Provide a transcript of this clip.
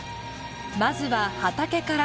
まずは畑から。